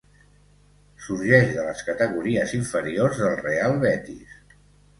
Sorgeix de les categories inferiors del Real Betis.